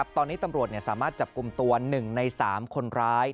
ตอนนี้ตำรวจสามารถจับกลุ่มตัว๑ใน๓คนร้าย